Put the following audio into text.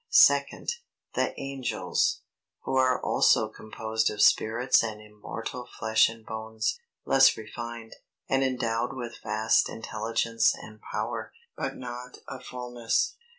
Second. The Angels, who are also composed of spirits and immortal flesh and bones, less refined, and endowed with vast intelligence and power, but not a fulness.